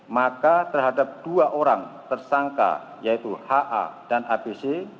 maka terhadap dua orang tersangka yaitu ha dan abc